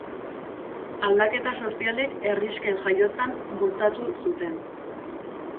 Aldaketa sozialek herrixken jaiotzan bultzatu zuten.